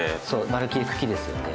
まるっきり茎ですよね。